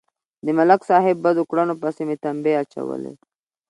د ملک صاحب بدو کړنو پسې مې تمبې اچولې.